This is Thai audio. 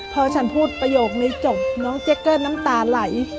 พอฉันพูดประโยคนี้จบน้องเจ๊เกอร์น้ำตาไหล